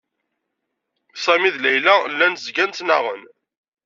Sami d Layla llan zgan ttnaɣen.